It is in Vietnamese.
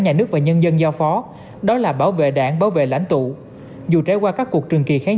nhà nước và nhân dân giao phó đó là bảo vệ đảng bảo vệ lãnh tụ dù trải qua các cuộc trường kỳ kháng